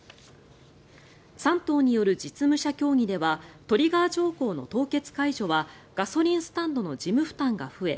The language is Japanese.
３党による実務者協議ではトリガー条項の凍結解除はガソリンスタンドの事務負担が増え